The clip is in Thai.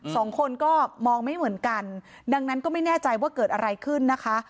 สองคนก็มองไม่เหมือนกันดังนั้นก็ไม่แน่ใจว่าเกิดอะไรขึ้นนะคะ